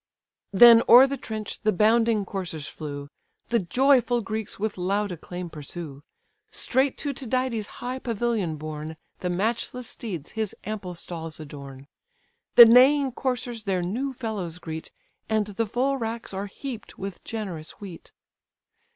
Then o'er the trench the bounding coursers flew; The joyful Greeks with loud acclaim pursue. Straight to Tydides' high pavilion borne, The matchless steeds his ample stalls adorn: The neighing coursers their new fellows greet, And the full racks are heap'd with generous wheat.